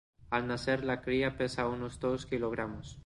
Al nacer la cría pesa unos dos kilogramos.